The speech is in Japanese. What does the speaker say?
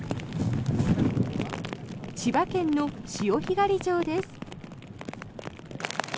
千葉県の潮干狩り場です。